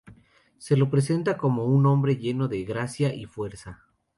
Se lo presenta como un hombre lleno de gracia y fuerza.